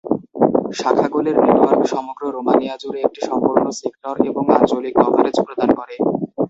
শাখাগুলির network সমগ্র Romania জুড়ে একটি সম্পূর্ণ সেক্টর এবং আঞ্চলিক কভারেজ প্রদান করে।